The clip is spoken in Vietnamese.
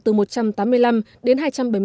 từ một trăm tám mươi năm đến hai trăm bảy mươi năm